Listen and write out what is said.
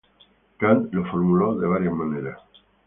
Kant lo formuló de varias maneras.